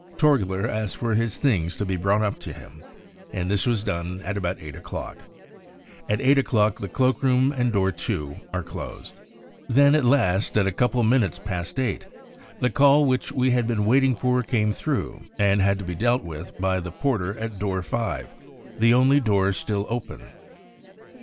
Torgler asked for his things to be brought up to him, and this was done at about eight o'clock. At eight o'clock the cloak room and door 2 are closed. " Then at last, at a couple of minutes past eight, the call ' which we had been waiting for came through, and had to be dealt with by the porter at door 5, the only door 92 BROWN BOOK OF THE HITLER TERROR still open.